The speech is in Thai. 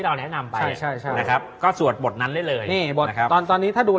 เล็กเล็กเล็กเล็กเล็กเล็กเล็กเล็กเล็ก